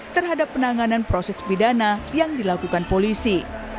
terhadap penanganan proses pidana yang dilakukan polisi